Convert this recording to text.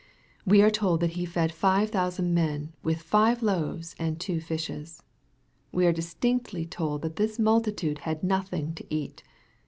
We are told that He fed five thousand men, with five loaves and two fishes. We are distinctly told that this multitude had nothing to eat.